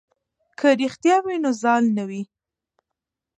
که رښتیا وي نو زال نه وي.